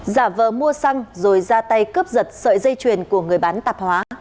giả vờ mua xăng rồi ra tay cướp giật sợi dây chuyền của người bán tạp hóa